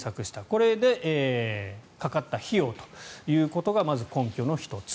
これでかかった費用ということがまず根拠の１つ。